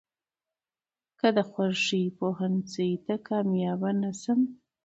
،که د خوښې پوهنځۍ ته کاميابه نشم.